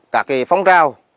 cả cái phong trào